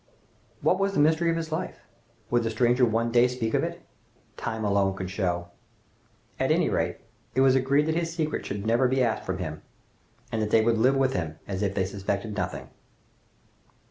What was the mystery of his life? Would the stranger one day speak of it? Time alone could show. At any rate, it was agreed that his secret should never be asked from him, and that they would live with him as if they suspected nothing.